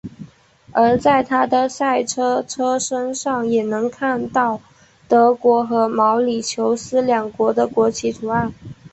而在他的赛车车身上也能看到德国和毛里求斯两国的国旗图案。